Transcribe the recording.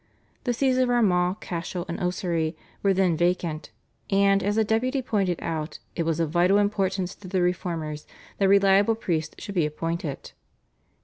The Sees of Armagh, Cashel, and Ossory were then vacant, and, as the Deputy pointed out, it was of vital importance to the Reformers that reliable priests should be appointed.